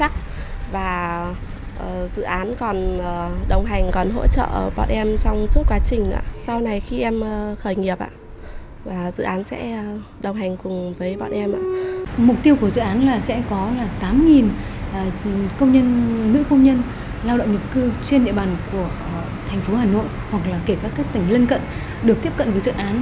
thành phố hà nội hoặc là kể các tỉnh lân cận được tiếp cận với dự án